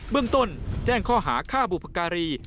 เมืองต้นแจ้งข้อหาฆ่าบุพการี